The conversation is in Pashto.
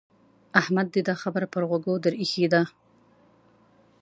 احمد دې دا خبره پر غوږو در اېښې ده.